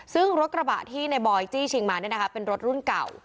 ซึ่งรถกระบะที่นายบอยจี้ชิงมาเนี่ยนะคะเป็นรถรุ่นเก่า